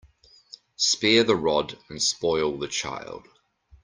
Spare the rod and spoil the child.